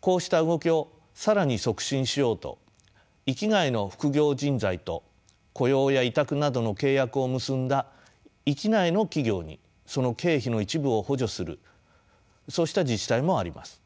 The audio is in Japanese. こうした動きを更に促進しようと域外の副業人材と雇用や委託などの契約を結んだ域内の企業にその経費の一部を補助するそうした自治体もあります。